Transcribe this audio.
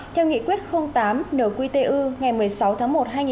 theo nghị quyết tám nqtu ngày một mươi sáu tháng một hai nghìn một mươi bảy